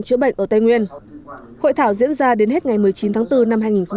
chữa bệnh ở tây nguyên hội thảo diễn ra đến hết ngày một mươi chín tháng bốn năm hai nghìn hai mươi